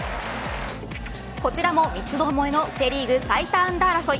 こちらも三つどもえのセ・リーグ最多安打争い。